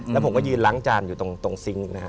แล้วผมก็ยืนล้างจานอยู่ตรงซิงค์นะฮะ